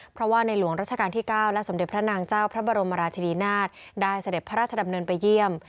เพราะว่าในหลวงรัชกาลที่๙และสมเด็จพระนางเจ้าพระบรมราชินีนาฏได้เสด็จพระราชดำเนินไปเยี่ยม